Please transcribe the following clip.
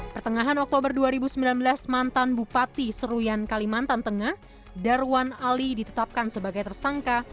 pertengahan oktober dua ribu sembilan belas mantan bupati seruyan kalimantan tengah darwan ali ditetapkan sebagai tersangka